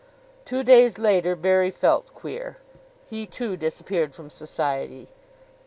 Two days later Barry felt queer. He, too, disappeared from Society.